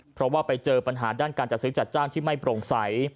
เพราะว่าไปเจอปัญหาด้านการจัดซื้อจัดจ้างที่ไม่โปร่งใส